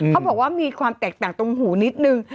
เขาบอกว่ามีความแตกต่างตรงหูนิดนึง